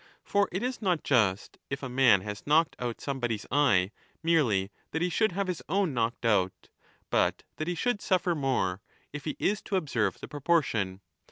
For it is not just, if a man has knocked out somebody's eye, merely that he should have his own knocked out, but that he should suffer more, if he is to observe the proportion.